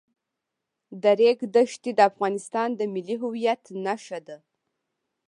د ریګ دښتې د افغانستان د ملي هویت نښه ده.